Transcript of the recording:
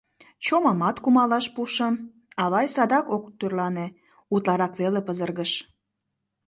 «Чомамат кумалаш пушым, авай садак ок тӧрлане, утларак веле пызыргыш.